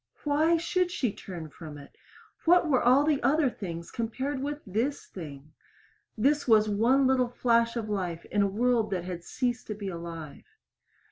Why should she turn from it? What were all the other things compared with this thing? This was one little flash of life in a world that had ceased to be alive.